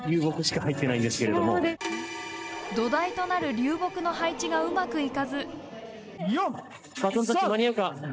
土台となる流木の配置がうまくいかず。